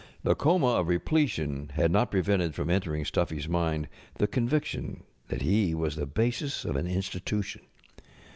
ŌĆØ The coma of repletion had not prevented from en┬¼ tering StuffyŌĆÖs mind the conviction that he was the basis of an Institution.